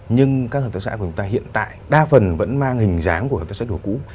nhưng các hợp tác xã của chúng ta hiện tại đa phần vẫn mang hình dáng của hợp tác xã kiểu cũ